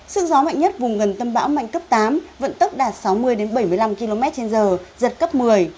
sức gió mạnh nhất vùng gần tâm bão mạnh cấp tám vận tốc đạt sáu mươi bảy mươi năm km trên giờ giật cấp một mươi